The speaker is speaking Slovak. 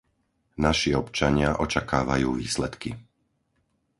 Naši občania očakávajú výsledky.